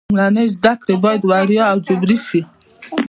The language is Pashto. لومړنۍ زده کړې باید وړیا او جبري شي.